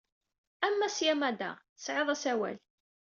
A Mass Yamada, tesɛiḍ asawal.